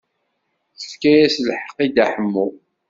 Tefka-as lḥeqq i Dda Ḥemmu.